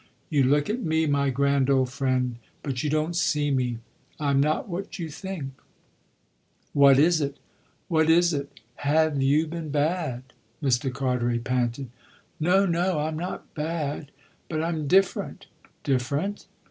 You look at me, my grand old friend, but you don't see me. I'm not what you think." "What is it what is it? Have you been bad?" Mr. Carteret panted. "No, no; I'm not bad. But I'm different." "Different